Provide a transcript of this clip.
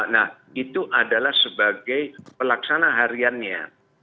nah itu adalah sebagai pelaksana hariannya